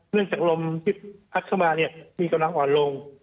เนื่องจากลมที่พักเข้ามามีกำลังอ่อนลง